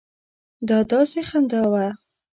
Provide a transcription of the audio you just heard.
دا داسې خندا وه.